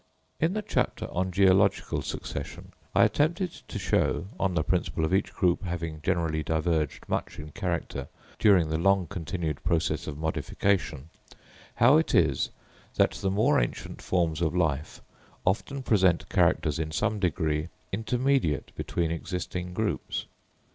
In the chapter on geological succession I attempted to show, on the principle of each group having generally diverged much in character during the long continued process of modification, how it is that the more ancient forms of life often present characters in some degree intermediate between existing groups.